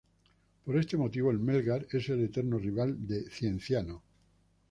Por este motivo, el Melgar es el eterno rival de Cienciano.